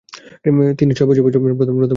তিনি ছয় বছর বয়সে প্রথম লেপার্ড শিকার করেন।